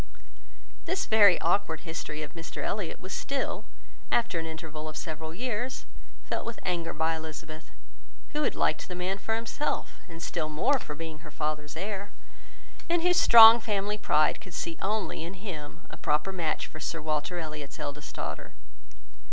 This very awkward history of Mr Elliot was still, after an interval of several years, felt with anger by Elizabeth, who had liked the man for himself, and still more for being her father's heir, and whose strong family pride could see only in him a proper match for Sir Walter Elliot's eldest daughter.